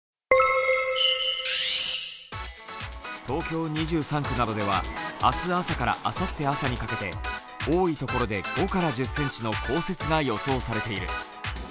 東京２３区などでは明日朝からあさって朝にかけて多い所で５１０ｃｍの降雪が予想されている。